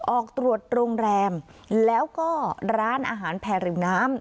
ออกตรวจโรงแรมแล้วก็ร้านอาหารแพรริมน้ำ